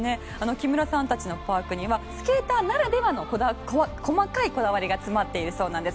木村さんたちのパークにはスケーターならではの細かいこだわりが詰まっているそうです。